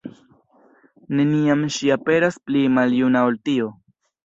Neniam ŝi aperas pli maljuna ol tio.